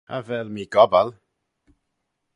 Cha vel mee gobbal.